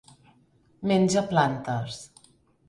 Menja plantes.